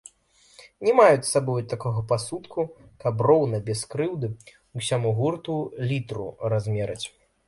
Не маюць з сабою такога пасудку, каб роўна, без крыўды ўсяму гурту літру размераць.